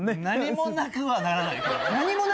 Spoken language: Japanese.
何もなくはならないけどね！